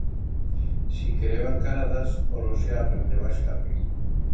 Si quereban caradas, Orosia aprendeba a escape.